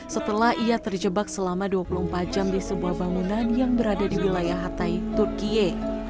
setelah ia terjebak selama dua puluh empat jam di sebuah bangunan yang berada di wilayah hatay turkiye